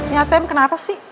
ya tem kenapa sih